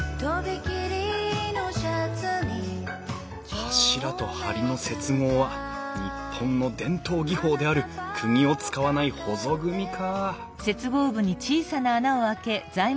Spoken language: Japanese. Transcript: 柱と梁の接合は日本の伝統技法であるくぎを使わないほぞ組みか